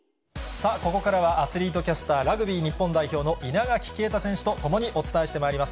さあ、ここからはアスリートキャスター、ラグビー日本代表の稲垣啓太選手と共にお伝えしてまいります。